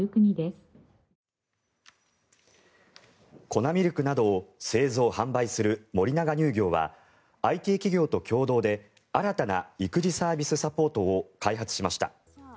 粉ミルクなどを製造・販売する森永乳業はＩＴ企業と共同で新たな育児サービスサポートを開発しました。